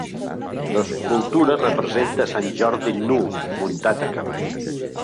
L'escultura representa a Sant Jordi nu muntant a cavall.